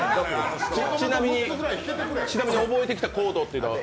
ちなみに覚えてきたコードというのは？